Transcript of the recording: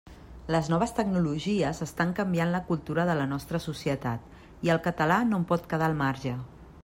Les noves tecnologies estan canviant la cultura de la nostra societat i el català no en pot quedar al marge.